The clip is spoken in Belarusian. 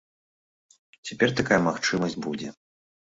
Цяпер такая магчымасць будзе.